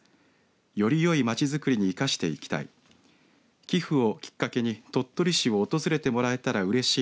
よりよいまちづくりに生かしていきたい。